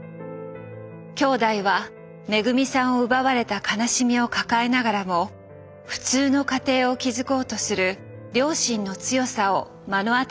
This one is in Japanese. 兄弟はめぐみさんを奪われた悲しみを抱えながらも普通の家庭を築こうとする両親の強さを目の当たりにしてきました。